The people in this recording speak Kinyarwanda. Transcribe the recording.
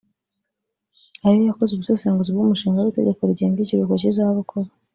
ari yo yakoze ubusesenguzi bw’umushinga w’itegeko rigenga ikiruhuko cy’izabukuru